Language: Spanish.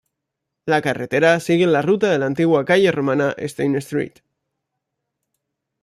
La carretera sigue la ruta de la antigua calle romana Stane Street.